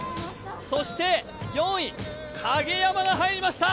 そして４位、影山が入りました。